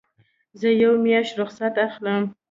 زه یوه میاشت رخصت اخلم.